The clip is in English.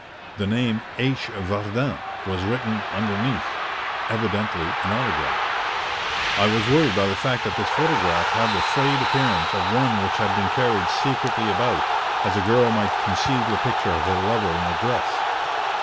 The name "H. Vardin" was written underneath evidently an autograph. I was worried by the fact that this photograph had the frayed appearance of one which has been carried secretly about, as a girl might conceal the picture of her lover in her dress.